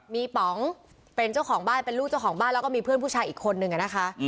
มีป๋องเป็นเจ้าของบ้านเป็นลูกเจ้าของบ้านแล้วก็มีเพื่อนผู้ชายอีกคนนึงอะนะคะ